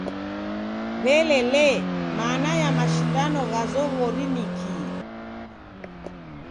W'ele lee, mana ya mashindano gha zoghori ni kii?